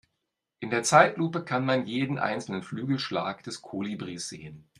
In der Zeitlupe kann man jeden einzelnen Flügelschlag des Kolibris sehen.